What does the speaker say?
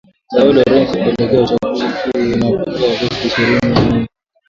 Joao Lourenco kuelekea uchaguzi mkuu unaofanyika Agosti ishirini na nne